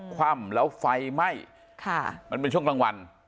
คว่ำแล้วไฟไหม้มันเป็นช่วงกลางวัน